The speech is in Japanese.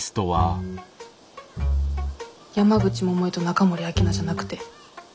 山口百恵と中森明菜じゃなくて？